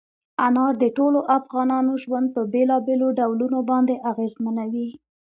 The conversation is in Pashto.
انار د ټولو افغانانو ژوند په بېلابېلو ډولونو باندې اغېزمنوي.